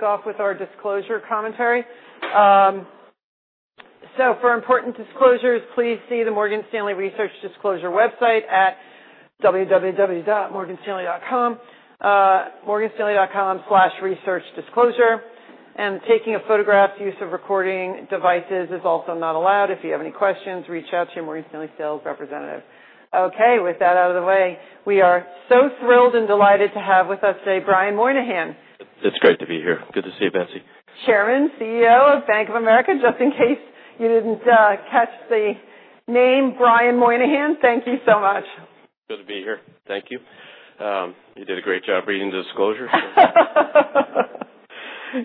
Kick off with our disclosure commentary. For important disclosures, please see the Morgan Stanley Research Disclosure website at www.morganstanley.com/researchdisclosure. Taking a photograph or use of recording devices is also not allowed. If you have any questions, reach out to your Morgan Stanley sales representative. With that out of the way, we are so thrilled and delighted to have with us today Brian Moynihan. It's great to be here. Good to see you, Betsy. Chairman, CEO of Bank of America, just in case you didn't catch the name, Brian Moynihan. Thank you so much. Good to be here. Thank you. You did a great job reading the disclosure.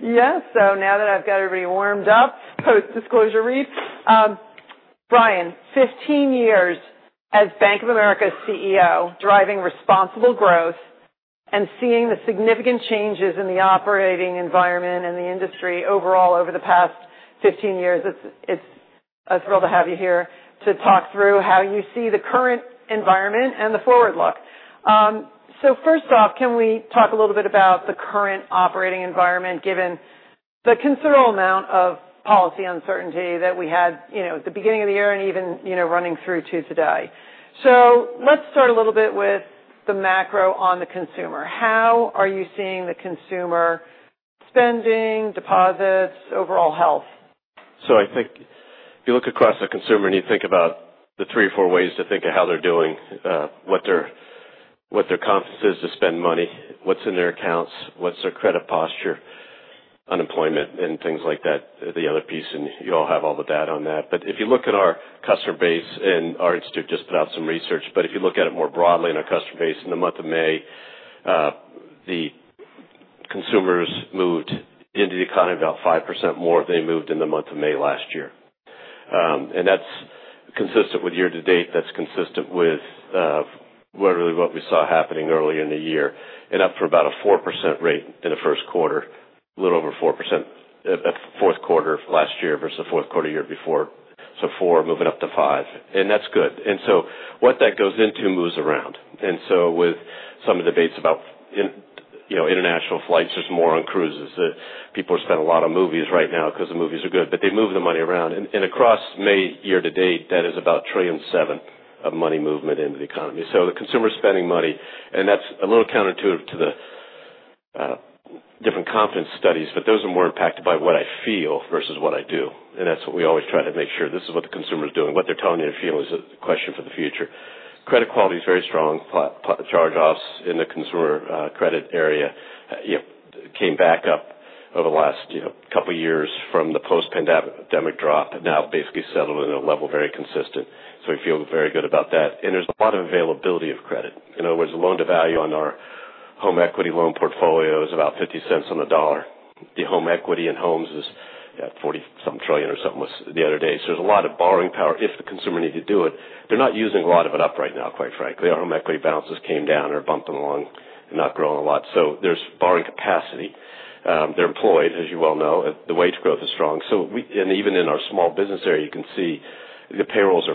Yes. Now that I've got everybody warmed up post-disclosure read, Brian, 15 years as Bank of America CEO, driving responsible growth and seeing the significant changes in the operating environment and the industry overall over the past 15 years. It's a thrill to have you here to talk through how you see the current environment and the forward-look. First off, can we talk a little bit about the current operating environment given the considerable amount of policy uncertainty that we had at the beginning of the year and even running through to today? Let's start a little bit with the macro on the consumer. How are you seeing the consumer spending, deposits, overall health? I think if you look across the consumer and you think about the three or four ways to think of how they're doing, what their confidence is to spend money, what's in their accounts, what's their credit posture, unemployment, and things like that, the other piece, and you all have all the data on that. If you look at our customer base and our institute just put out some research, if you look at it more broadly in our customer base in the month of May, the consumers moved into the economy about 5% more than they moved in the month of May last year. That's consistent with year to date. That's consistent with really what we saw happening earlier in the year and up for about a 4% rate in the first quarter, a little over 4%, a fourth quarter last year versus the fourth quarter year before. Four moving up to five. That's good. What that goes into moves around. With some of the debates about international flights, there's more on cruises. People are spending a lot on movies right now because the movies are good, but they move the money around. Across May year-to-date, that is about $1.7 trillion of money movement into the economy. The consumer is spending money, and that's a little counterintuitive to the different confidence studies, but those are more impacted by what I feel versus what I do. That's what we always try to make sure. This is what the consumer is doing. What they're telling me to feel is a question for the future. Credit quality is very strong. Charge-offs in the consumer credit area came back up over the last couple of years from the post-pandemic drop and now basically settled in a level very consistent. We feel very good about that. There is a lot of availability of credit. In other words, the loan-to-value on our home equity loan portfolio is about $0.50 on the dollar. The home equity in homes is at $40-some trillion or something the other day. There is a lot of borrowing power if the consumer needs to do it. They're not using a lot of it up right now, quite frankly. Our home equity balances came down or bumped along and not growing a lot. There is borrowing capacity. They're employed, as you well know. The wage growth is strong. Even in our small business area, you can see the payrolls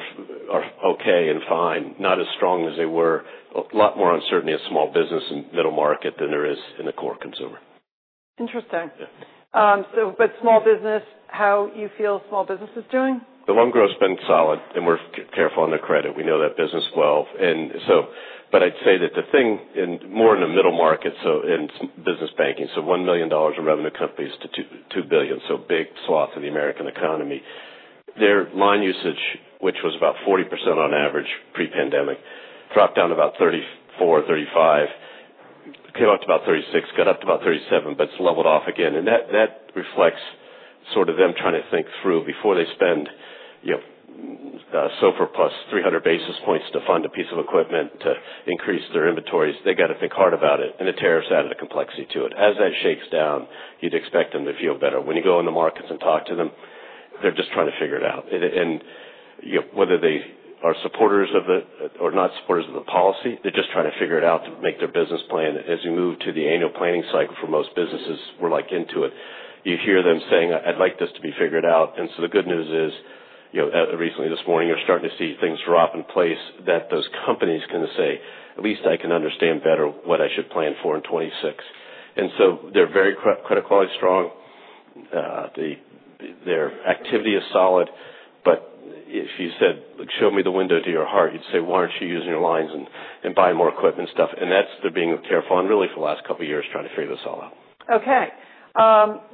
are okay and fine, not as strong as they were. A lot more uncertainty in small business and middle market than there is in the core consumer. Interesting. How you feel small business is doing? The loan growth has been solid, and we're careful on the credit. We know that business well. I'd say that the thing more in the middle market and business banking, so $1 million in revenue companies to $2 billion, so big swath of the American economy. Their line usage, which was about 40% on average pre-pandemic, dropped down to about 34%-35%. Came up to about 36%, got up to about 37%, but it's leveled off again. That reflects sort of them trying to think through before they spend a sofa plus 300 basis points to fund a piece of equipment to increase their inventories. They got to think hard about it. The tariffs added a complexity to it. As that shakes down, you'd expect them to feel better. When you go in the markets and talk to them, they're just trying to figure it out. Whether they are supporters of the or not supporters of the policy, they're just trying to figure it out to make their business plan. As you move to the annual planning cycle for most businesses, we're like into it. You hear them saying, "I'd like this to be figured out." The good news is recently this morning, you're starting to see things drop in place that those companies can say, "At least I can understand better what I should plan for in 2026." Their credit quality is very strong. Their activity is solid. If you said, "Show me the window to your heart," you'd say, "Why aren't you using your lines and buying more equipment and stuff?" That is them being careful and really for the last couple of years trying to figure this all out. Okay.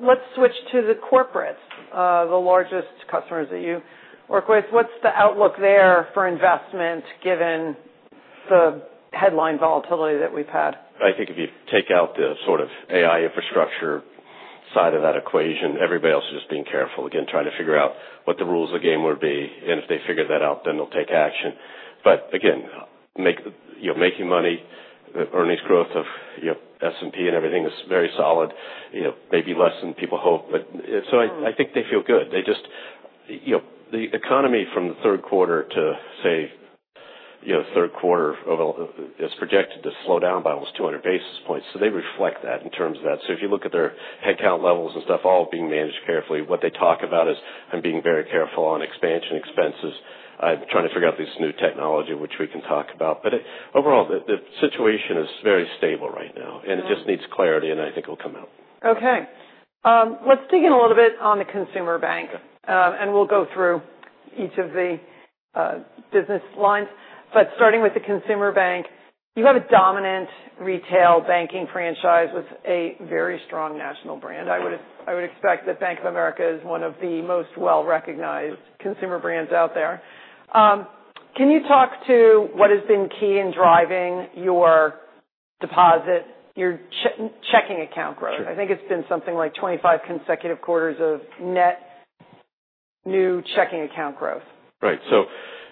Let's switch to the corporates, the largest customers that you work with. What's the outlook there for investment given the headline volatility that we've had? I think if you take out the sort of AI infrastructure side of that equation, everybody else is just being careful, again, trying to figure out what the rules of the game would be. If they figure that out, then they'll take action. Again, making money, earnings growth of S&P and everything is very solid, maybe less than people hope. I think they feel good. The economy from the third quarter to, say, third quarter of it's projected to slow down by almost 200 basis points. They reflect that in terms of that. If you look at their headcount levels and stuff, all being managed carefully, what they talk about is, "I'm being very careful on expansion expenses. I'm trying to figure out this new technology, which we can talk about. Overall, the situation is very stable right now, and it just needs clarity, and I think it'll come out. Okay. Let's dig in a little bit on the consumer bank, and we'll go through each of the business lines. Starting with the consumer bank, you have a dominant retail banking franchise with a very strong national brand. I would expect that Bank of America is one of the most well-recognized consumer brands out there. Can you talk to what has been key in driving your deposit, your checking account growth? I think it's been something like 25 consecutive quarters of net new checking account growth. Right.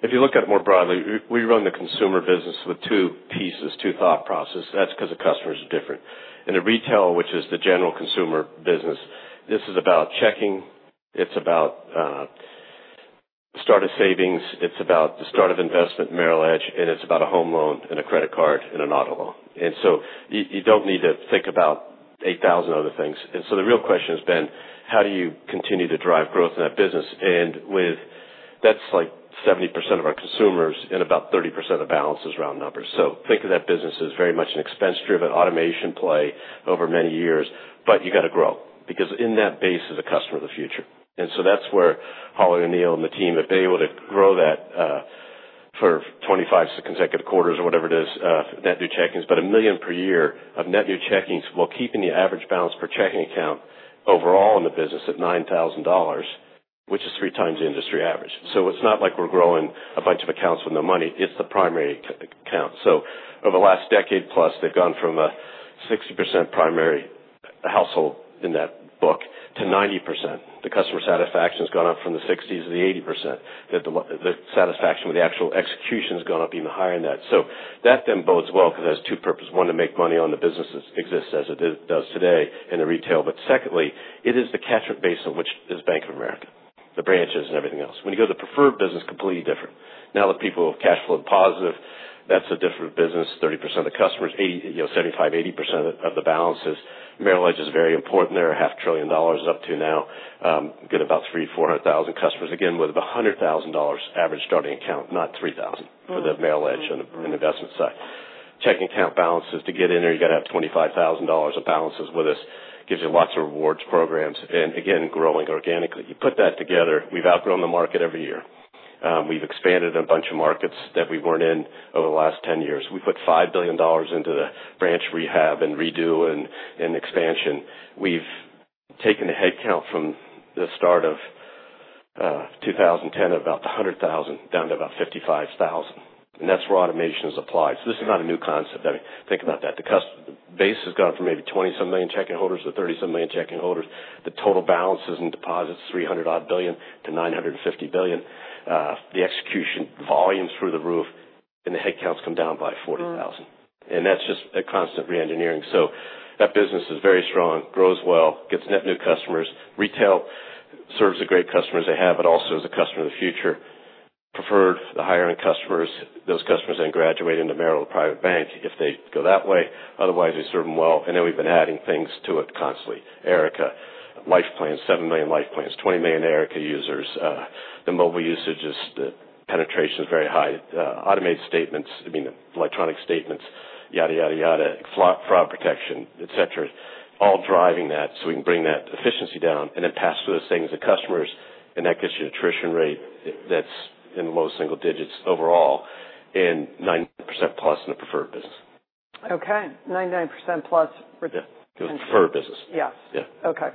If you look at it more broadly, we run the consumer business with two pieces, two thought processes. That's because the customers are different. The retail, which is the general consumer business, this is about checking. It's about start of savings. It's about the start of investment, Merrill Edge, and it's about a home loan and a credit card and an auto loan. You do not need to think about 8,000 other things. The real question has been, how do you continue to drive growth in that business? That's like 70% of our consumers and about 30% of balances, round numbers. Think of that business as very much an expense-driven automation play over many years, but you got to grow because in that base is a customer of the future. That is where Holly O'Neill and the team have been able to grow that for 25 consecutive quarters or whatever it is, net new checkings, but a million per year of net new checkings while keeping the average balance per checking account overall in the business at $9,000, which is three times the industry average. It is not like we are growing a bunch of accounts with no money. It is the primary account. Over the last decade plus, they have gone from a 60% primary household in that book to 90%. The customer satisfaction has gone up from the 60s to the 80%. The satisfaction with the actual execution has gone up even higher than that. That then bodes well because it has two purposes. One, to make money on the business that exists as it does today in the retail. Secondly, it is the catchment base of which is Bank of America, the branches and everything else. When you go to the preferred business, completely different. Now the people with cash flow positive, that's a different business. 30% of the customers, 75%-80% of the balances. Merrill Edge is very important. They're at $500 billion up to now. We've got about 300,000-400,000 customers. Again, with a $100,000 average starting account, not $3,000 for the Merrill Edge on the investment side. Checking account balances to get in there, you got to have $25,000 of balances with us. It gives you lots of rewards programs and, again, growing organically. You put that together, we've outgrown the market every year. We've expanded a bunch of markets that we weren't in over the last 10 years. We put $5 billion into the branch rehab and redo and expansion. We've taken the headcount from the start of 2010 of about 100,000 down to about 55,000. That is where automation is applied. This is not a new concept. I mean, think about that. The base has gone from maybe 20-some million checking holders to 30-some million checking holders. The total balances and deposits, $300-odd billion to $950 billion. The execution volume's through the roof, and the headcount's come down by 40,000. That is just a constant re-engineering. That business is very strong, grows well, gets net new customers. Retail serves the great customers they have, but also is a customer of the future. Preferred, the higher-end customers, those customers then graduate into Merrill Private Bank if they go that way. Otherwise, we serve them well. We have been adding things to it constantly. Erica, LifePlan, 7 million LifePlans, 20 million Erica users. The mobile usage penetration is very high. Automated statements, I mean, electronic statements, yada, yada, yada, fraud protection, etc., all driving that so we can bring that efficiency down and then pass through those things to customers. That gets you an attrition rate that's in low single digits overall and 99% plus in the preferred business. Okay. 99%+ for. Yeah. It was preferred business. Yes. Okay.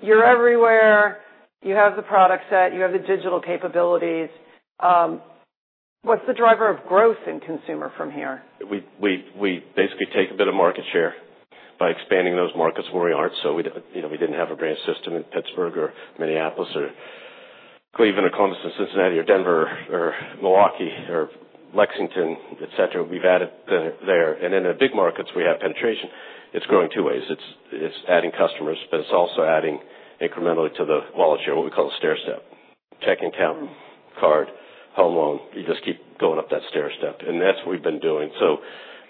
You are everywhere. You have the product set. You have the digital capabilities. What's the driver of growth in consumer from here? We basically take a bit of market share by expanding those markets where we aren't. We didn't have a branch system in Pittsburgh or Minneapolis or Cleveland or Columbus and Cincinnati or Denver or Milwaukee or Lexington, etc. We've added there. In the big markets, we have penetration. It's growing two ways. It's adding customers, but it's also adding incrementally to the wallet share, what we call a stairstep: checking account, card, home loan. You just keep going up that stairstep. That's what we've been doing.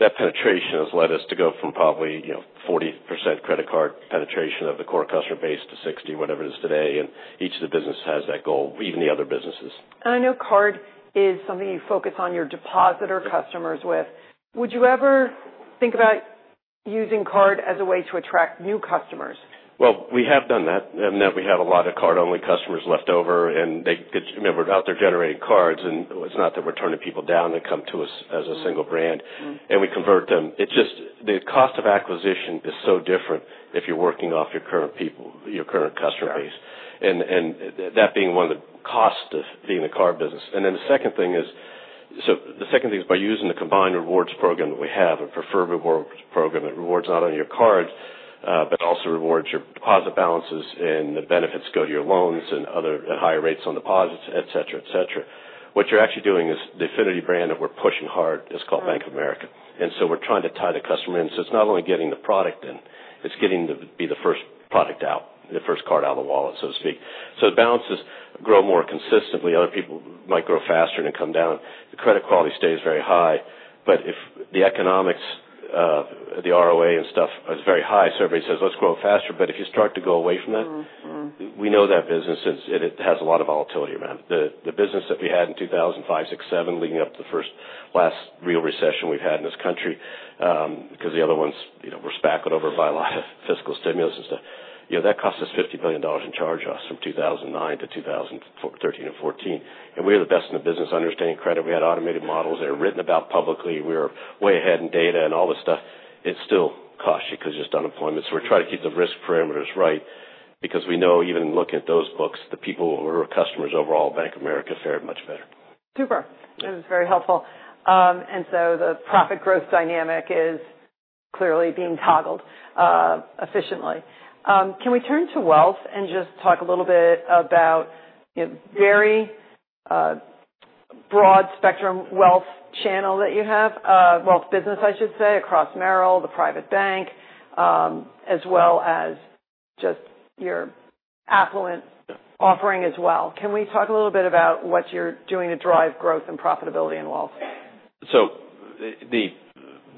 That penetration has led us to go from probably 40% credit card penetration of the core customer base to 60%, whatever it is today. Each of the businesses has that goal, even the other businesses. I know card is something you focus on your depositor customers with. Would you ever think about using card as a way to attract new customers? We have done that. Now we have a lot of card-only customers left over. We are out there generating cards. It is not that we are turning people down that come to us as a single brand, and we convert them. It is just the cost of acquisition is so different if you are working off your current customer base. That being one of the costs of being in the card business. The second thing is, by using the combined rewards program that we have, a Preferred Rewards program that rewards not only your cards but also rewards your deposit balances, and the benefits go to your loans and other higher rates on deposits, etc., etc. What you are actually doing is the affinity brand that we are pushing hard is called Bank of America. We are trying to tie the customer in. It is not only getting the product in, it is getting to be the first product out, the first card out of the wallet, so to speak. The balances grow more consistently. Other people might grow faster and then come down. The credit quality stays very high. If the economics, the ROA and stuff is very high, everybody says, "Let's grow faster." If you start to go away from that, we know that business has a lot of volatility around it. The business that we had in 2005, 2006, 2007, leading up to the first last real recession we have had in this country, because the other ones were spackled over by a lot of fiscal stimulus and stuff, that cost us $50 billion in charge-offs from 2009-2013 and 2014. We are the best in the business understanding credit. We had automated models. They were written about publicly. We were way ahead in data and all this stuff. It still costs you because you're just unemployment. We are trying to keep the risk parameters right because we know even look at those books, the people who were customers overall, Bank of America fared much better. Super. That is very helpful. The profit growth dynamic is clearly being toggled efficiently. Can we turn to wealth and just talk a little bit about the very broad spectrum wealth channel that you have, wealth business, I should say, across Merrill, the private bank, as well as just your affluent offering as well? Can we talk a little bit about what you're doing to drive growth and profitability in wealth? The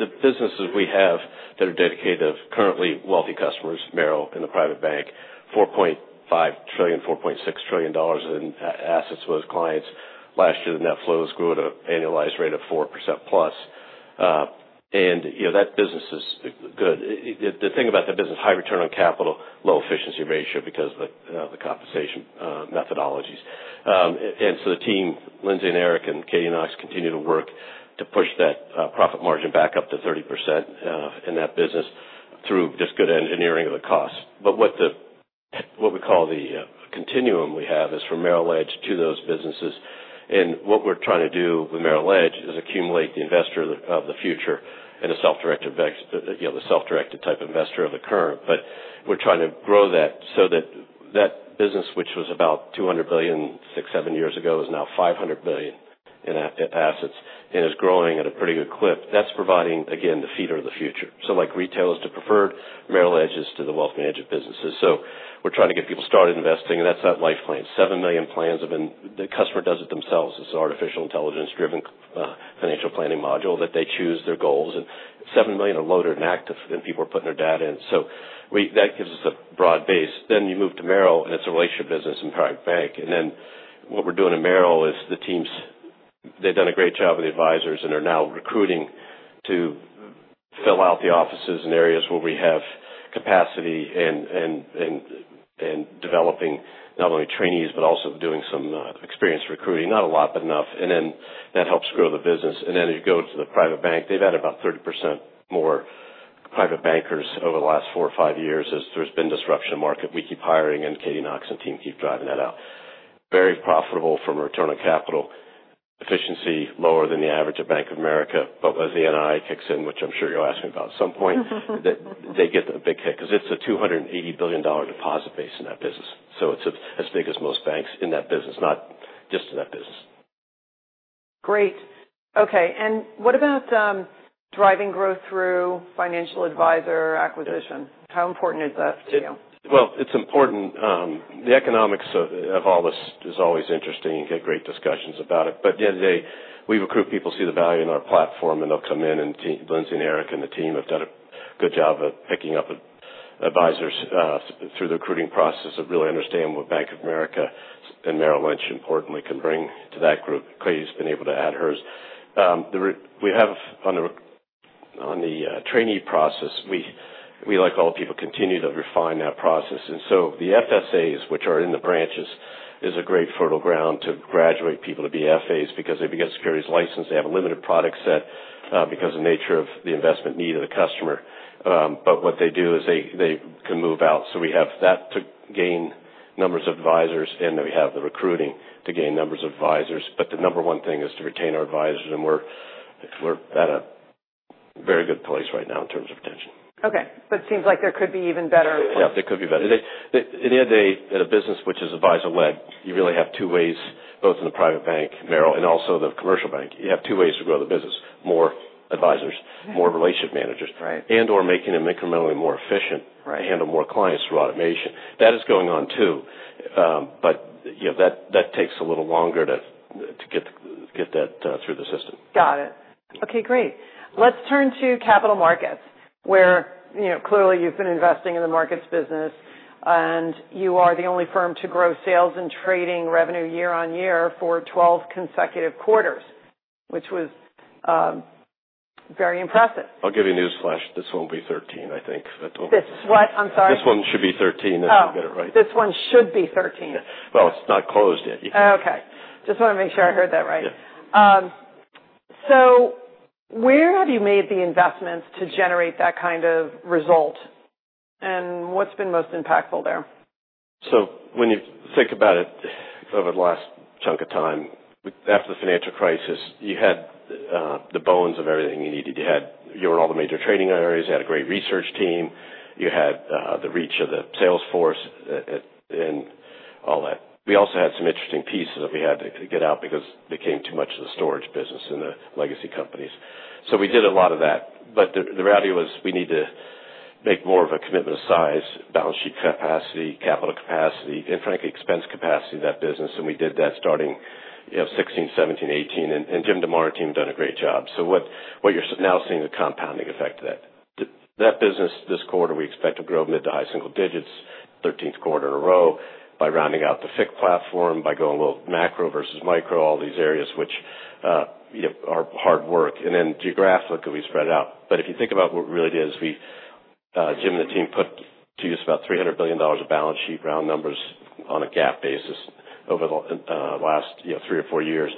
businesses we have that are dedicated to currently wealthy customers, Merrill and the private bank, $4.5 trillion, $4.6 trillion in assets with clients last year. That flows grew at an annualized rate of 4%+. That business is good. The thing about that business, high return on capital, low efficiency ratio because of the compensation methodologies. The team, Lindsay and Eric and Katie Knox continue to work to push that profit margin back up to 30% in that business through just good engineering of the costs. What we call the continuum we have is from Merrill Edge to those businesses. What we are trying to do with Merrill Edge is accumulate the investor of the future and a self-directed type of investor of the current. We're trying to grow that so that that business, which was about $200 billion six, seven years ago, is now $500 billion in assets and is growing at a pretty good clip. That's providing, again, the feeder of the future. Like retail is to preferred, Merrill Edge is to the wealth management businesses. We're trying to get people started investing. That's that LifePlan. Seven million plans have been, the customer does it themselves. It's an artificial intelligence-driven financial planning module that they choose their goals. Seven million are loaded and active, and people are putting their data in. That gives us a broad base. You move to Merrill, and it's a relationship business in private bank. What we are doing in Merrill is the teams, they have done a great job with the advisors and are now recruiting to fill out the offices and areas where we have capacity and developing not only trainees, but also doing some experienced recruiting. Not a lot, but enough. That helps grow the business. You go to the private bank, they have added about 30% more private bankers over the last four or five years as there has been disruption in the market. We keep hiring, and Katie Knox and team keep driving that out. Very profitable from return on capital, efficiency lower than the average of Bank of America. As the NII kicks in, which I am sure you will ask me about at some point, they get a big hit because it is a $280 billion deposit base in that business. It's as big as most banks in that business, not just in that business. Great. Okay. What about driving growth through financial advisor acquisition? How important is that to you? It's important. The economics of all this is always interesting. You get great discussions about it. At the end of the day, we recruit people, see the value in our platform, and they'll come in. Lindsay and Eric and the team have done a good job of picking up advisors through the recruiting process that really understand what Bank of America and Merrill Lynch importantly can bring to that group. Katie's been able to add hers. We have on the trainee process, we, like all people, continue to refine that process. The FSAs, which are in the branches, is a great fertile ground to graduate people to be FAs because they begin to secure these licenses. They have a limited product set because of the nature of the investment need of the customer. What they do is they can move out. We have that to gain numbers of advisors, and then we have the recruiting to gain numbers of advisors. The number one thing is to retain our advisors. We are at a very good place right now in terms of retention. Okay. It seems like there could be even better. Yeah. There could be better. At the end of the day, at a business which is advisor-led, you really have two ways, both in the private bank, Merrill, and also the commercial bank. You have two ways to grow the business: more advisors, more relationship managers, and/or making them incrementally more efficient to handle more clients through automation. That is going on too. That takes a little longer to get that through the system. Got it. Okay. Great. Let's turn to capital markets where clearly you've been investing in the markets business, and you are the only firm to grow sales and trading revenue year-on-year for 12 consecutive quarters, which was very impressive. I'll give you newsflash. This won't be 13, I think. This what? I'm sorry. This one should be 13 if I get it right. Oh, this one should be 13. It's not closed yet. Okay. Just want to make sure I heard that right. Where have you made the investments to generate that kind of result? What's been most impactful there? When you think about it over the last chunk of time after the financial crisis, you had the bones of everything you needed. You had all the major trading areas. You had a great research team. You had the reach of the salesforce and all that. We also had some interesting pieces that we had to get out because they became too much of the storage business and the legacy companies. We did a lot of that. The reality was we needed to make more of a commitment of size, balance sheet capacity, capital capacity, and frankly, expense capacity of that business. We did that starting 2016, 2017, 2018. Jim DeMare and team have done a great job. What you're now seeing is a compounding effect of that. That business, this quarter, we expect to grow mid to high single digits, 13th quarter in a row by rounding out the FICC platform, by going low macro versus micro, all these areas which are hard work. Geographically, we spread it out. If you think about what really it is, Jim and the team put to use about $300 billion of balance sheet round numbers on a GAAP basis over the last three or four years.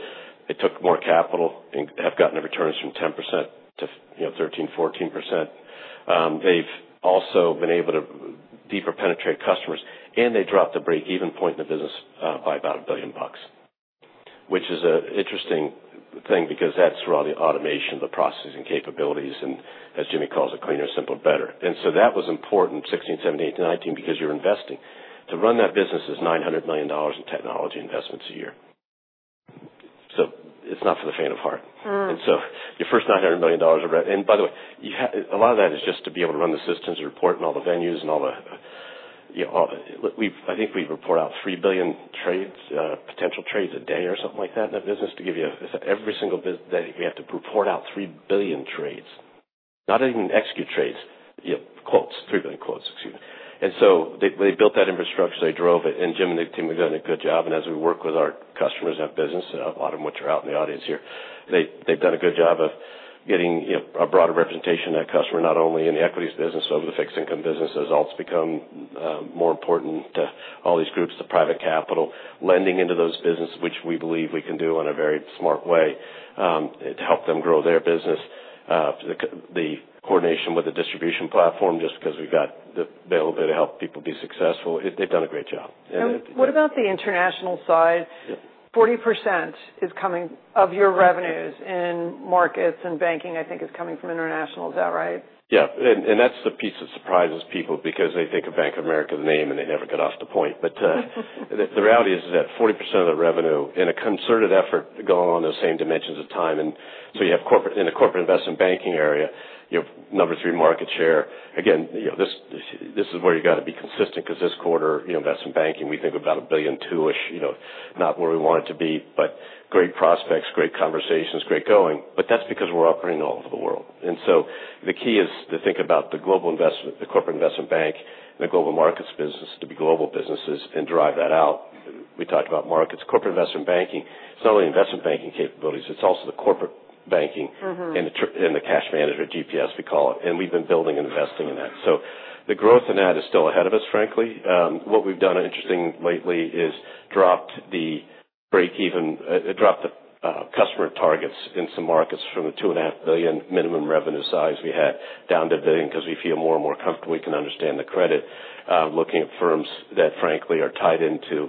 They took more capital and have gotten the returns from 10% to 13%-14%. They've also been able to deeper penetrate customers, and they dropped the break-even point in the business by about a billion bucks, which is an interesting thing because that's really automation, the processing capabilities, and as Jim calls it, cleaner, simpler, better. That was important 2016, 2017, 2018, 2019 because you're investing. To run that business is $900 million in technology investments a year. It is not for the faint of heart. Your first $900 million of revenue, and by the way, a lot of that is just to be able to run the systems and report and all the venues and all the, I think we report out 3 billion trades, potential trades a day or something like that in that business. To give you a, every single day we have to report out 3 billion trades, not even execute trades, quotes, 3 billion quotes, excuse me. They built that infrastructure. They drove it. Jim and the team have done a good job. As we work with our customers in that business, a lot of them which are out in the audience here, they've done a good job of getting a broader representation of that customer, not only in the equities business, but over the fixed income business. As all it's become more important to all these groups, the private capital, lending into those businesses, which we believe we can do in a very smart way to help them grow their business, the coordination with the distribution platform just because we've got the availability to help people be successful. They've done a great job. What about the international side? 40% is coming of your revenues in markets and banking, I think, is coming from international. Is that right? Yeah. And that's the piece that surprises people because they think of Bank of America's name, and they never get off the point. The reality is that 40% of the revenue in a concerted effort going on those same dimensions of time. You have corporate in the corporate investment banking area, your number three market share. Again, this is where you got to be consistent because this quarter, investment banking, we think about $1.2 billion-ish, not where we want it to be, but great prospects, great conversations, great going. That's because we're operating all over the world. The key is to think about the global investment, the corporate investment bank, and the global markets business to be global businesses and drive that out. We talked about markets. Corporate investment banking, it's not only investment banking capabilities, it's also the corporate banking and the cash manager, GPS we call it. We've been building and investing in that. The growth in that is still ahead of us, frankly. What we've done interestingly lately is dropped the break-even, dropped the customer targets in some markets from the $2.5 billion minimum revenue size we had down to $1 billion because we feel more and more comfortable we can understand the credit, looking at firms that frankly are tied into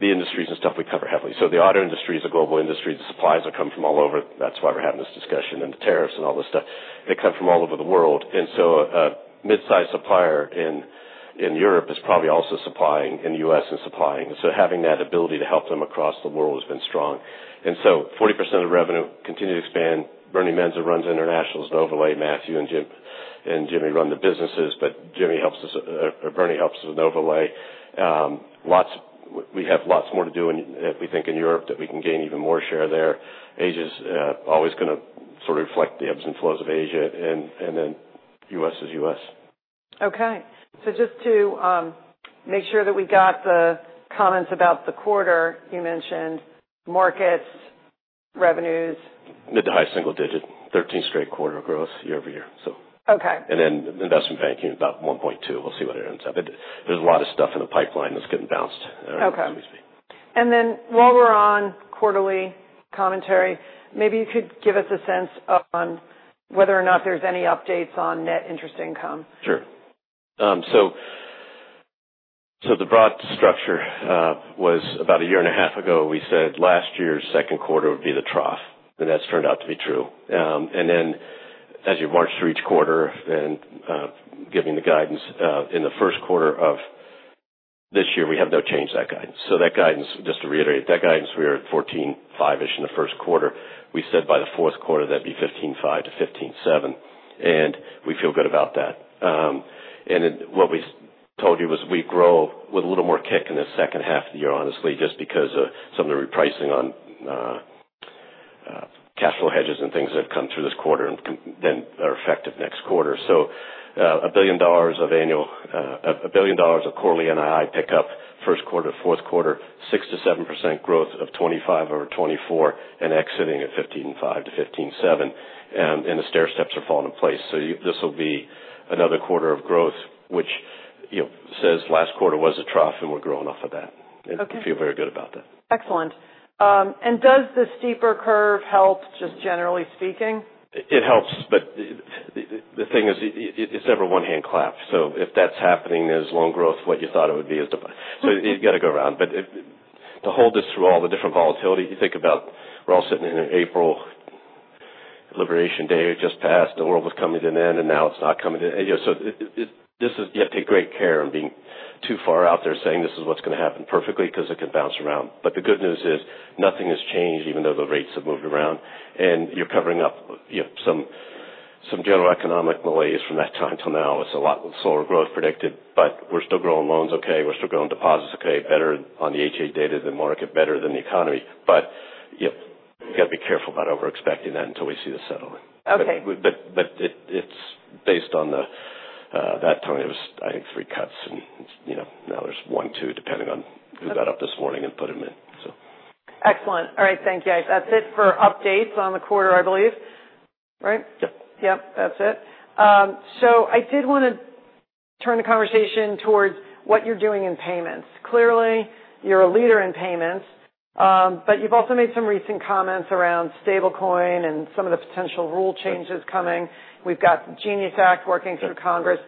the industries and stuff we cover heavily. The auto industry is a global industry. The supplies that come from all over, that's why we're having this discussion, and the tariffs and all this stuff, they come from all over the world. A mid-size supplier in Europe is probably also supplying in the U.S. and supplying. Having that ability to help them across the world has been strong. So 40% of the revenue continue to expand. Bernie Menzel runs internationals and overlay. Matthew and Jimmy run the businesses, but Jimmy helps us, or Bernie helps us with overlay. We have lots more to do, we think, in Europe that we can gain even more share there. Asia's always going to sort of reflect the ebbs and flows of Asia, and then U.S. is U.S. Okay. So just to make sure that we got the comments about the quarter, you mentioned markets, revenues. Mid to high single digit, 13 straight quarter growth year-over-year. Investment banking about $1.2 billion. We'll see what it ends up. There's a lot of stuff in the pipeline that's getting bounced every time we speak. Okay. While we're on quarterly commentary, maybe you could give us a sense on whether or not there's any updates on net interest income. Sure. The broad structure was about a year and a half ago, we said last year's second quarter would be the trough. That has turned out to be true. As you march through each quarter and give the guidance, in the first quarter of this year, we have no change in that guidance. That guidance, just to reiterate, we were at 14.5-ish in the first quarter. We said by the fourth quarter, that would be 15.5-15.7. We feel good about that. What we told you was we grow with a little more kick in the second half of the year, honestly, just because of some of the repricing on cash flow hedges and things that have come through this quarter and then are effective next quarter. A billion dollars of annual, a billion dollars of quarterly NII pickup, first quarter to fourth quarter, 6%-7% growth of 2025 over 2024 and exiting at $15.5 billion-$15.7 billion. The stairsteps are falling in place. This will be another quarter of growth, which says last quarter was a trough, and we're growing off of that. We feel very good about that. Excellent. Does the steeper curve help, just generally speaking? It helps. The thing is it's never one-hand clap. If that's happening, there's long growth, what you thought it would be. You got to go around. To hold this through all the different volatility, you think about we're all sitting in April, Liberation Day just passed. The world was coming to an end, and now it's not coming to an end. You have to take great care of being too far out there saying this is what's going to happen perfectly because it can bounce around. The good news is nothing has changed, even though the rates have moved around. You're covering up some general economic malaise from that time till now. It's a lot with slower growth predicted, but we're still growing loans okay. We're still growing deposits okay, better on the HA data than market, better than the economy. You got to be careful about overexpecting that until we see the settlement. It was, I think, three cuts, and now there's one, two, depending on who got up this morning and put them in, so. Excellent. All right. Thank you. That's it for updates on the quarter, I believe, right? Yep. Yep. That's it. I did want to turn the conversation towards what you're doing in payments. Clearly, you're a leader in payments, but you've also made some recent comments around stablecoin and some of the potential rule changes coming. We've got the GENIUS Act working through Congress.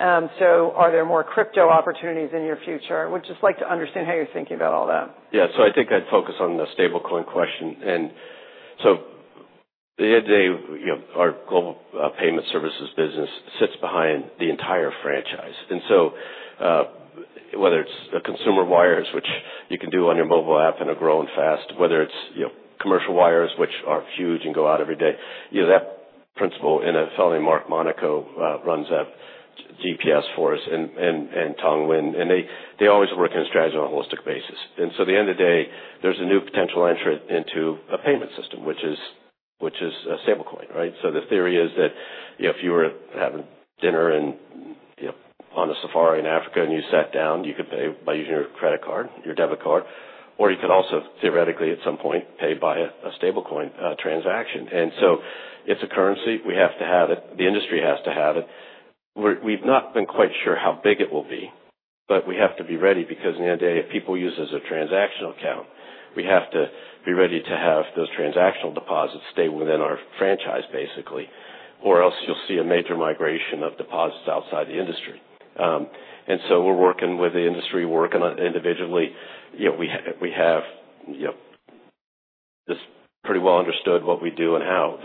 Are there more crypto opportunities in your future? We'd just like to understand how you're thinking about all that. Yeah. I think I'd focus on the stablecoin question. At the end of the day, our global payment services business sits behind the entire franchise. Whether it's the consumer wires, which you can do on your mobile app and are growing fast, or commercial wires, which are huge and go out every day, that principle and a fellow named Mark Monaco runs that GPS for us and Tong Wynn. They always work in a strategic holistic basis. At the end of the day, there's a new potential entry into a payment system, which is a stablecoin, right? The theory is that if you were having dinner on a safari in Africa and you sat down, you could pay by using your credit card, your debit card, or you could also, theoretically, at some point, pay by a stablecoin transaction. It is a currency. We have to have it. The industry has to have it. We have not been quite sure how big it will be, but we have to be ready because at the end of the day, if people use it as a transactional account, we have to be ready to have those transactional deposits stay within our franchise, basically, or else you will see a major migration of deposits outside the industry. We are working with the industry. We are working on it individually. We have this pretty well understood, what we do and how.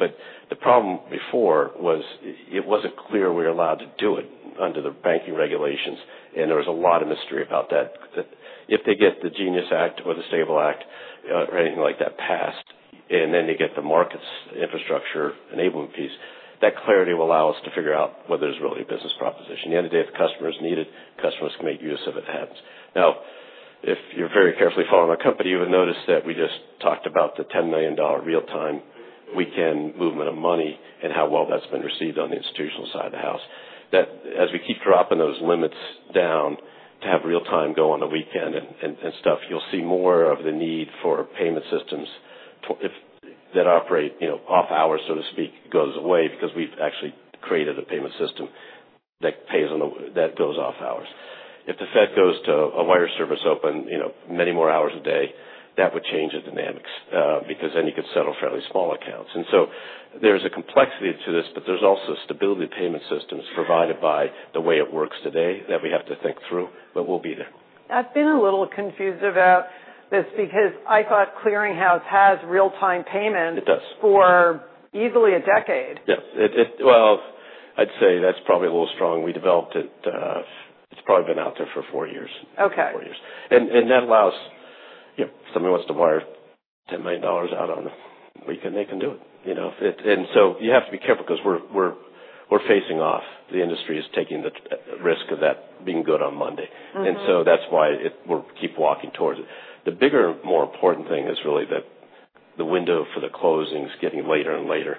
The problem before was it was not clear we were allowed to do it under the banking regulations, and there was a lot of mystery about that. If they get the GENIUS Act or the Stable Act or anything like that passed, and then they get the markets infrastructure enablement piece, that clarity will allow us to figure out whether there's really a business proposition. At the end of the day, if customers need it, customers can make use of it, it happens. Now, if you're very carefully following our company, you would notice that we just talked about the $10 million real-time weekend movement of money and how well that's been received on the institutional side of the house. As we keep dropping those limits down to have real-time go on the weekend and stuff, you'll see more of the need for payment systems that operate off-hours, so to speak, goes away because we've actually created a payment system that goes off-hours. If the Fed goes to a wire service open many more hours a day, that would change the dynamics because then you could settle fairly small accounts. There is a complexity to this, but there is also stability of payment systems provided by the way it works today that we have to think through, but we'll be there. I've been a little confused about this because I thought Clearing House has real-time payments. It does. For easily a decade. Yeah. I'd say that's probably a little strong. We developed it. It's probably been out there for four years. Okay. Four years. That allows if somebody wants to wire $10 million out on a weekend, they can do it. You have to be careful because we're facing off. The industry is taking the risk of that being good on Monday. That is why we'll keep walking towards it. The bigger, more important thing is really that the window for the closing is getting later and later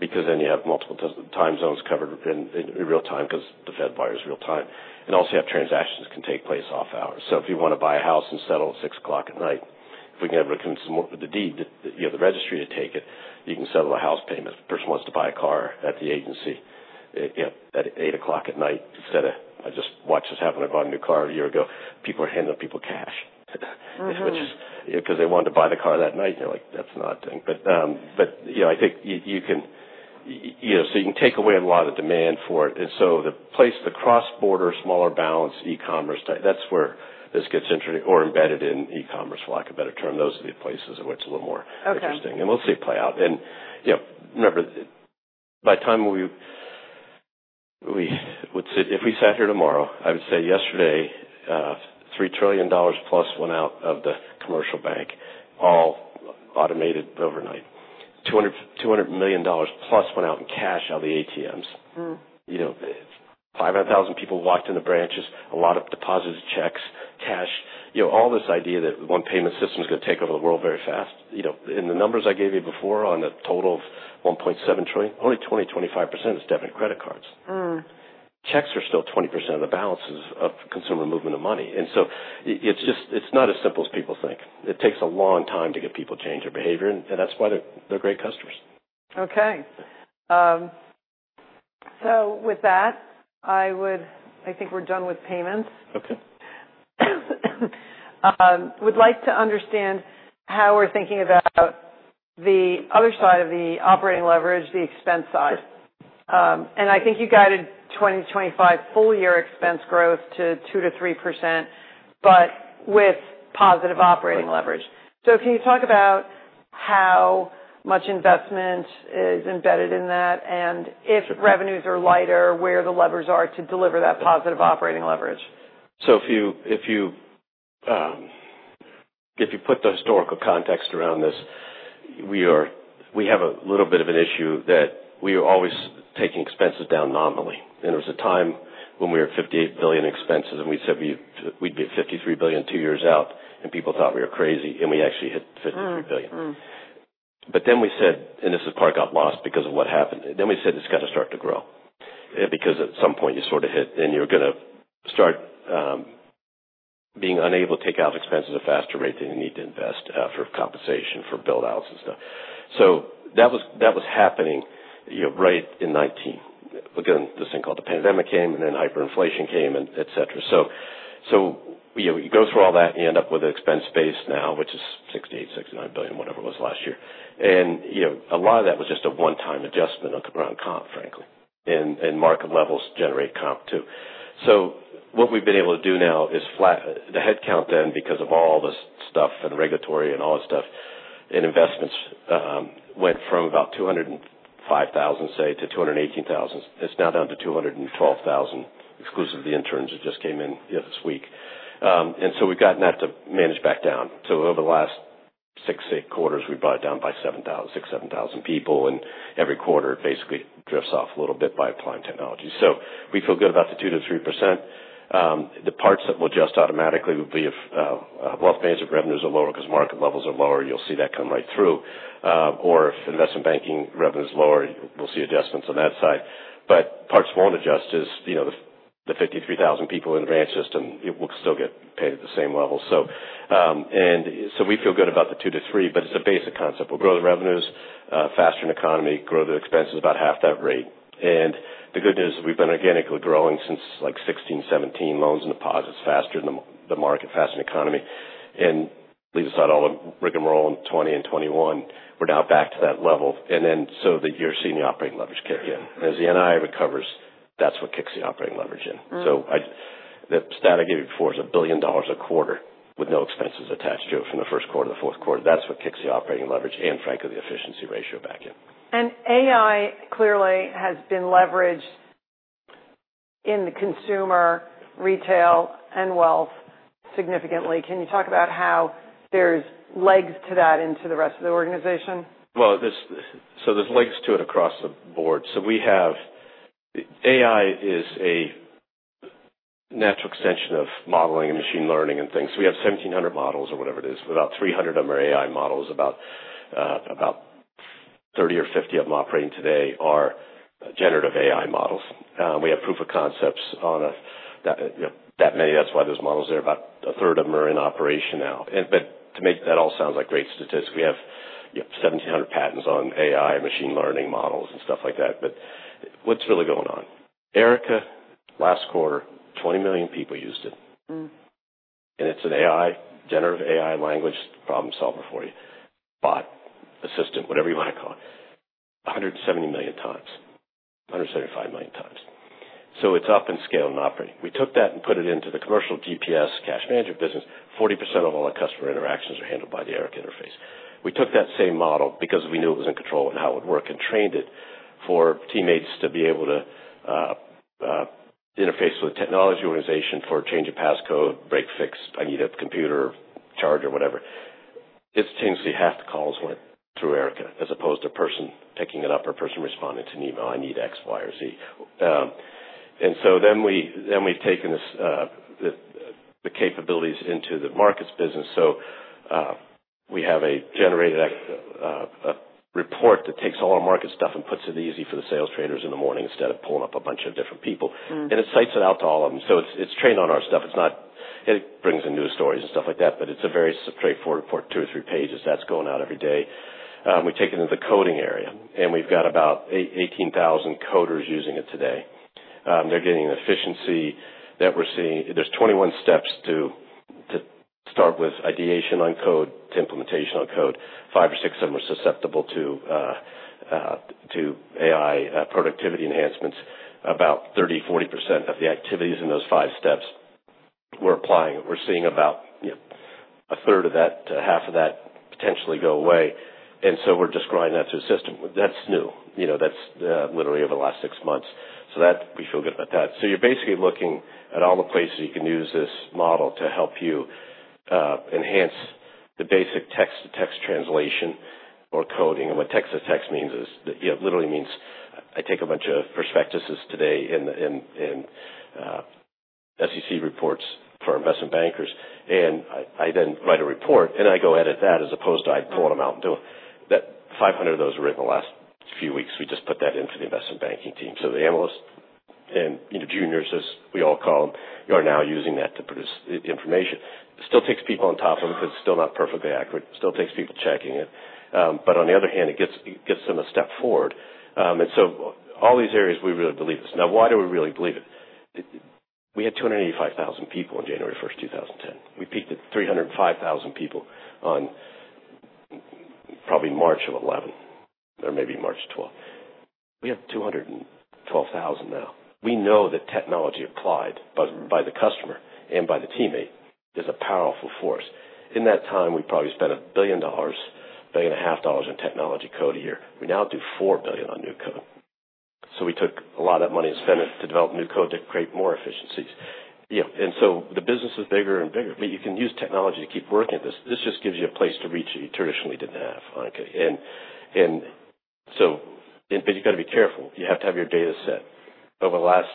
because then you have multiple time zones covered in real-time because the Fed wires real-time. You also have transactions that can take place off-hours. If you want to buy a house and settle at 6 o'clock at night if we can have some more of the deed, the registry to take it, you can settle a house payment. If a person wants to buy a car at the agency at 8 o'clock instead of I just watched this happen when I bought a new car a year ago. People are handing people cash because they wanted to buy the car that night. You're like, "That's not a thing." I think you can so you can take away a lot of demand for it. The cross-border, smaller balance, e-commerce, that's where this gets or embedded in e-commerce, for lack of a better term. Those are the places where it's a little more interesting. We'll see it play out. Remember, by the time we would sit if we sat here tomorrow, I would say yesterday, $3 trillion+ went out of the commercial bank, all automated overnight. $200 million+ went out in cash out of the ATMs. 500,000 people walked in the branches, a lot of deposited checks, cash. All this idea that one payment system is going to take over the world very fast. In the numbers I gave you before on the total of $1.7 trillion, only 20%-25% is debit credit cards. Checks are still 20% of the balances of consumer movement of money. It is not as simple as people think. It takes a long time to get people to change their behavior, and that's why they're great customers. Okay. So with that, I think we're done with payments. Okay. Would like to understand how we're thinking about the other side of the operating leverage, the expense side. I think you guided 2025 full-year expense growth to 2%-3%, but with positive operating leverage. Can you talk about how much investment is embedded in that and if revenues are lighter, where the levers are to deliver that positive operating leverage? If you put the historical context around this, we have a little bit of an issue that we are always taking expenses down nominally. There was a time when we were at $58 billion in expenses, and we said we'd be at $53 billion two years out, and people thought we were crazy, and we actually hit $53 billion. This part got lost because of what happened. We said it's got to start to grow because at some point you sort of hit, and you're going to start being unable to take out expenses at a faster rate than you need to invest for compensation, for build-outs and stuff. That was happening right in 2019. Again, this thing called the pandemic came, and then hyperinflation came, etc. You go through all that, and you end up with an expense base now, which is $68 billion, $69 billion, whatever it was last year. A lot of that was just a one-time adjustment around comp, frankly. Market levels generate comp too. What we have been able to do now is flat the headcount then, because of all this stuff and regulatory and all this stuff, and investments went from about 205,000, say, to 218,000. It is now down to 212,000 exclusively interns that just came in this week. We have gotten that to manage back down. Over the last six, eight quarters, we brought it down by 6,000-7,000 people, and every quarter it basically drifts off a little bit by applying technology. We feel good about the 2%-3%. The parts that will adjust automatically will be if wealth management revenues are lower because market levels are lower. You'll see that come right through. Or if investment banking revenues are lower, we'll see adjustments on that side. Parts won't adjust as the 53,000 people in the branch system will still get paid at the same level. We feel good about the 2%-3%, but it's a basic concept. We'll grow the revenues faster than the economy, grow the expenses about half that rate. The good news is we've been organically growing since 2016, 2017, loans and deposits faster than the market, faster than the economy. Leave aside all the rigmarole in 2020 and 2021, we're now back to that level. You're seeing the operating leverage kick in. As the NI recovers, that's what kicks the operating leverage in. The stat I gave you before is $1 billion a quarter with no expenses attached to it from the first quarter to the fourth quarter. That's what kicks the operating leverage and, frankly, the efficiency ratio back in. AI clearly has been leveraged in the consumer, retail, and wealth significantly. Can you talk about how there's legs to that into the rest of the organization? There are legs to it across the board. We have AI as a natural extension of modeling and machine learning and things. We have 1,700 models or whatever it is. About 300 of them are AI models. About 30 or 50 of them operating today are generative AI models. We have proof of concepts on that many. That is why those models are there. About a third of them are in operation now. To make that all sound like great statistics, we have 1,700 patents on AI and machine learning models and stuff like that. What is really going on? Erica, last quarter, 20 million people used it. It is an AI, generative AI language problem solver for you, bot assistant, whatever you want to call it, 170 millionx, 175 millionx. It is up in scale and operating. We took that and put it into the commercial GPS cash management business. 40% of all our customer interactions are handled by the Erica interface. We took that same model because we knew it was in control and how it would work and trained it for teammates to be able to interface with the technology organization for change of passcode, break fix, I need a computer charger, whatever. Instantly, half the calls went through Erica as opposed to a person picking it up or a person responding to an email, "I need X, Y, or Z." We have taken the capabilities into the markets business. We have a generated report that takes all our market stuff and puts it easy for the sales trainers in the morning instead of pulling up a bunch of different people. It cites it out to all of them. It is trained on our stuff. It brings in news stories and stuff like that, but it is a very straightforward report, two or three pages. That is going out every day. We take it into the coding area, and we have about 18,000 coders using it today. They are getting an efficiency that we are seeing. There are 21 steps to start with ideation on code to implementation on code. Five or six of them are susceptible to AI productivity enhancements. About 30%-40% of the activities in those five steps, we are applying. We are seeing about a third of that, half of that potentially go away. We are just growing that through a system. That is new. That is literally over the last six months. We feel good about that. You are basically looking at all the places you can use this model to help you enhance the basic text-to-text translation or coding. What text-to-text means is it literally means I take a bunch of prospectuses today and SEC reports for investment bankers, and I then write a report, and I go edit that as opposed to I pull them out and do it. 500,000 of those were written the last few weeks. We just put that into the investment banking team. The analysts and juniors, as we all call them, are now using that to produce information. It still takes people on top of it because it's still not perfectly accurate. It still takes people checking it. On the other hand, it gets them a step forward. All these areas, we really believe this. Now, why do we really believe it? We had 285,000 people on January 1st, 2010. We peaked at 305,000 people on probably March of 2011 or maybe March 2012. We have 212,000 now. We know that technology applied by the customer and by the teammate is a powerful force. In that time, we probably spent $1 billion, $1.5 billion in technology code a year. We now do $4 billion on new code. We took a lot of that money and spent it to develop new code to create more efficiencies. The business is bigger and bigger, but you can use technology to keep working at this. This just gives you a place to reach that you traditionally did not have. You have to be careful. You have to have your data set. Over the last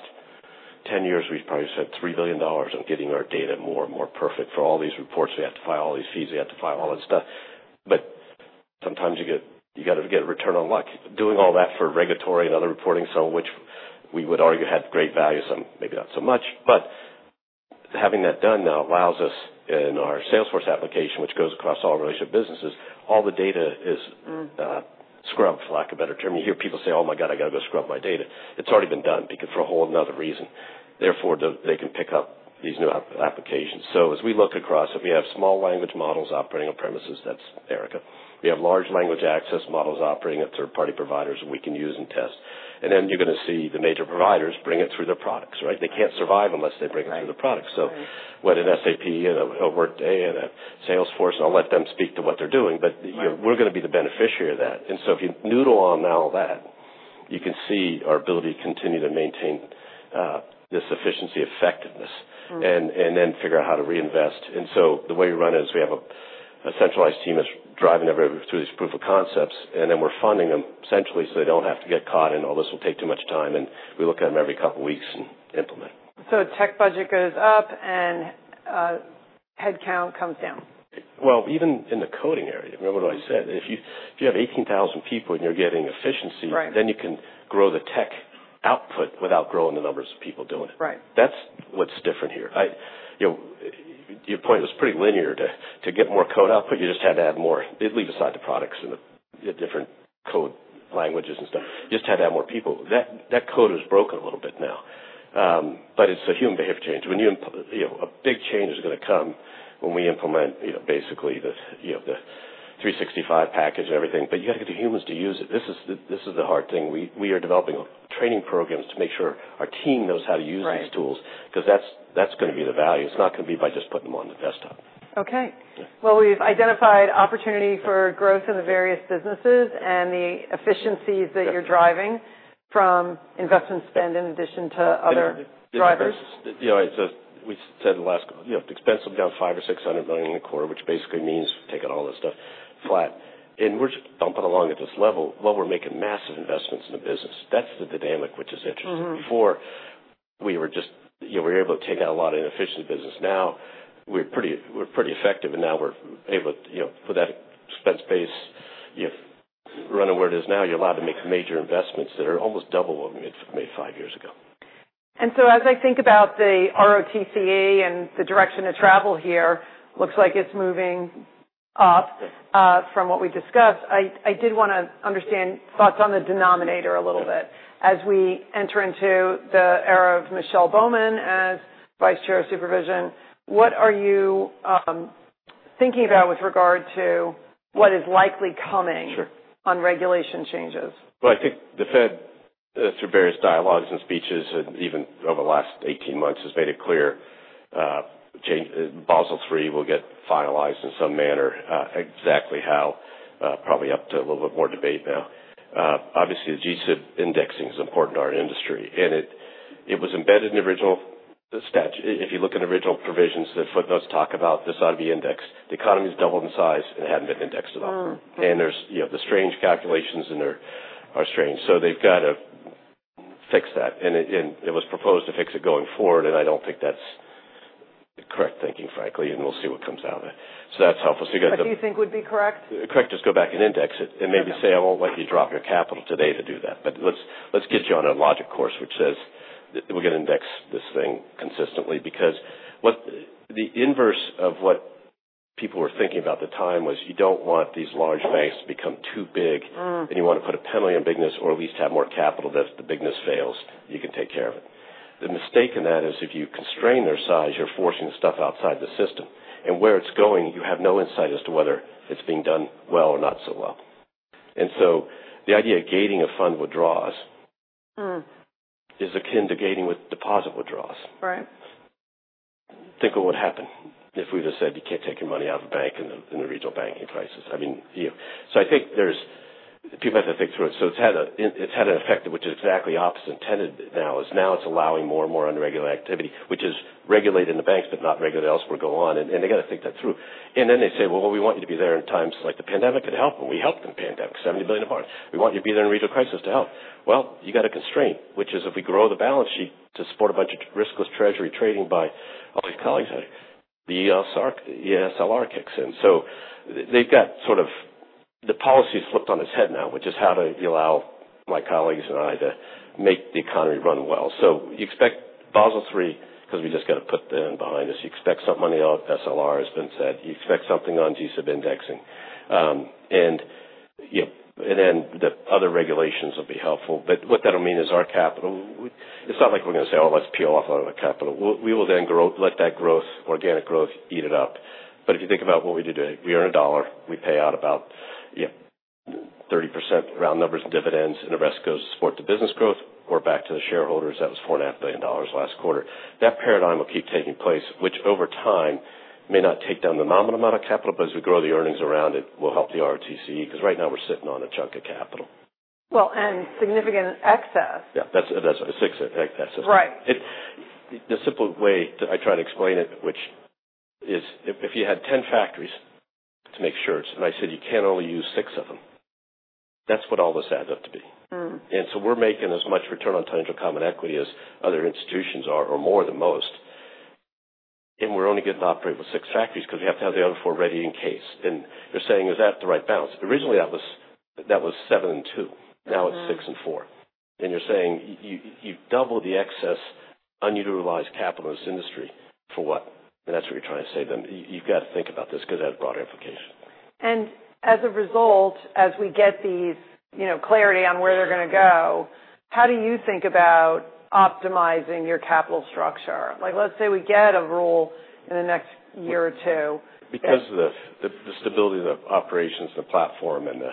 10 years, we have probably spent $3 billion on getting our data more and more perfect for all these reports. We have to file all these fees. We have to file all this stuff. Sometimes you got to get a return on luck. Doing all that for regulatory and other reporting, some of which we would argue had great value, some maybe not so much. Having that done now allows us in our Salesforce application, which goes across all relationship businesses, all the data is scrubbed, for lack of a better term. You hear people say, "Oh my God, I got to go scrub my data." It's already been done for a whole nother reason. Therefore, they can pick up these new applications. As we look across, we have small language models operating on premises. That's Erica. We have large language access models operating at third-party providers that we can use and test. You are going to see the major providers bring it through their products, right? They can't survive unless they bring it through their products. What an SAP and a Workday and a Salesforce, I'll let them speak to what they're doing, but we're going to be the beneficiary of that. If you noodle on now all that, you can see our ability to continue to maintain this efficiency, effectiveness, and then figure out how to reinvest. The way we run it is we have a centralized team that's driving everything through these proof of concepts, and then we're funding them centrally so they don't have to get caught in, "Oh, this will take too much time," and we look at them every couple of weeks and implement. Tech budget goes up and headcount comes down. Even in the coding area, remember what I said? If you have 18,000 people and you're getting efficiency, then you can grow the tech output without growing the numbers of people doing it. That's what's different here. Your point was pretty linear to get more code output. You just had to add more. Leave aside the products and the different code languages and stuff. You just had to add more people. That code is broken a little bit now, but it's a human behavior change. A big change is going to come when we implement basically the 365 package and everything. You got to get the humans to use it. This is the hard thing. We are developing training programs to make sure our team knows how to use these tools because that's going to be the value. It's not going to be by just putting them on the desktop. Okay. We've identified opportunity for growth in the various businesses and the efficiencies that you're driving from investment spend in addition to other drivers. Yeah. We said last quarter, expenses will be down $500 million-$600 million in the quarter, which basically means taking all this stuff flat. We're just dumping along at this level. We're making massive investments in the business. That's the dynamic, which is interesting. Before, we were just able to take out a lot of inefficiency business. Now we're pretty effective, and now we're able to put that expense base, run it where it is now. You're allowed to make major investments that are almost double what we made five years ago. As I think about the ROTCE and the direction to travel here, looks like it's moving up from what we discussed. I did want to understand thoughts on the denominator a little bit. As we enter into the era of Michelle Bowman as Vice Chair of Supervision, what are you thinking about with regard to what is likely coming on regulation changes? I think the Fed, through various dialogues and speeches, and even over the last 18 months, has made it clear Basel III will get finalized in some manner, exactly how, probably up to a little bit more debate now. Obviously, the GSIB indexing is important to our industry. And it was embedded in the original statute. If you look at original provisions that Footnote talked about, this ought to be indexed. The economy has doubled in size, and it hadn't been indexed at all. And the strange calculations are strange. They have got to fix that. It was proposed to fix it going forward, and I do not think that is correct thinking, frankly, and we will see what comes out of it. That is helpful. You got the. That you think would be correct? Correct. Just go back and index it. And maybe say, "I won't let you drop your capital today to do that." But let's get you on a logic course, which says we're going to index this thing consistently because the inverse of what people were thinking about at the time was you don't want these large banks to become too big, and you want to put a penalty on business or at least have more capital that if the business fails, you can take care of it. The mistake in that is if you constrain their size, you're forcing stuff outside the system. And where it's going, you have no insight as to whether it's being done well or not so well. The idea of gating a fund withdraws is akin to gating with deposit withdraws. Think of what would happen if we just said, "You can't take your money out of a bank in the regional banking crisis." I mean, I think people have to think through it. It has had an effect, which is exactly opposite intended now, is now it's allowing more and more unregulated activity, which is regulated in the banks but not regulated elsewhere, go on. They got to think that through. They say, "We want you to be there in times like the pandemic could help." We helped in the pandemic, $70 million. "We want you to be there in regional crisis to help." You got to constrain, which is if we grow the balance sheet to support a bunch of riskless treasury trading by all these colleagues, the ESLR kicks in. They've got sort of the policy is flipped on its head now, which is how do you allow my colleagues and I to make the economy run well. You expect Basel III because we just got to put them behind us. You expect something on the SLR has been said. You expect something on GSIB indexing. The other regulations will be helpful. What that will mean is our capital, it's not like we're going to say, "Oh, let's peel off our capital." We will then let that growth, organic growth, eat it up. If you think about what we do today, we earn a dollar. We pay out about 30% round numbers in dividends, and the rest goes to support the business growth or back to the shareholders. That was $4.5 billion last quarter. That paradigm will keep taking place, which over time may not take down the nominal amount of capital, but as we grow the earnings around it, we'll help the ROTCE because right now we're sitting on a chunk of capital. And significant excess. Yeah. That's excess. The simple way that I try to explain it, which is if you had 10 factories to make shirts, you can only use 6 of them. That's what all this adds up to be. We're making as much return on tangible common equity as other institutions are or more than most. We're only getting to operate with 6 factories because we have to have the other 4 ready in case. You're saying, "Is that the right balance?" Originally, that was 7 and 2. Now it's 6 and 4. You're saying you doubled the excess unutilized capital in this industry for what? That's what you're trying to say to them. You've got to think about this because it has broader implications. As a result, as we get this clarity on where they're going to go, how do you think about optimizing your capital structure? Let's say we get a rule in the next year or two. Because of the stability of the operations and the platform and the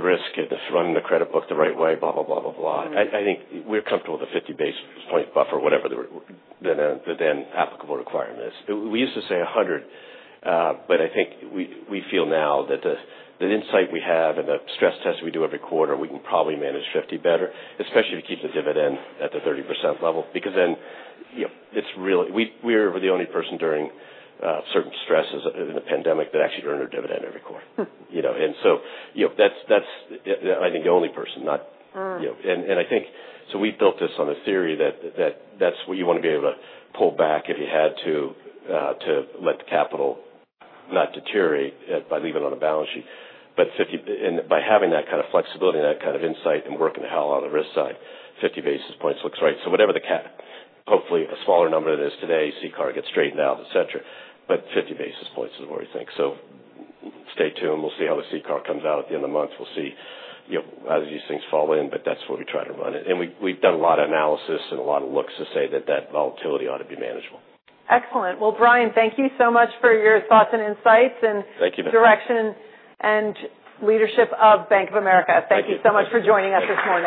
risk and running the credit book the right way, blah, blah, blah, blah, blah. I think we're comfortable with the 50 basis point buffer, whatever the then applicable requirement is. We used to say 100, but I think we feel now that the insight we have and the stress tests we do every quarter, we can probably manage 50 better, especially if you keep the dividend at the 30% level because then it's really we're the only person during certain stresses in the pandemic that actually earned a dividend every quarter. That's, I think, the only person. I think we built this on the theory that that's what you want to be able to pull back if you had to to let the capital not deteriorate by leaving it on a balance sheet. By having that kind of flexibility and that kind of insight and working the hell out of the risk side, 50 basis points looks right. Whatever the hopefully a smaller number than it is today, CCARgets straightened out, etc. 50 basis points is what we think. Stay tuned. We'll see how the CCAR comes out at the end of the month. We'll see as these things fall in, but that's what we try to run it. We've done a lot of analysis and a lot of looks to say that that volatility ought to be manageable. Excellent. Brian, thank you so much for your thoughts and insights. Thank you, ma'am. Direction and leadership of Bank of America. Thank you so much for joining us this morning.